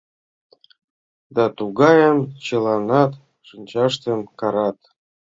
Да тугайым, чыланат шинчаштым карат».